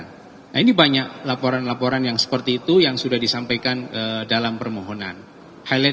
hai ini banyak laporan laporan yang seperti itu yang sudah disampaikan dalam permohonan highlight